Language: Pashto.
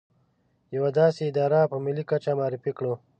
يوه داسې اداره په ملي کچه معرفي کړو.